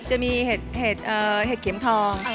จะมีเห็ดเข็มทอง